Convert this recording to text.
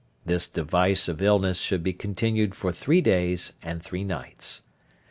This device of illness should be continued for three days and three nights.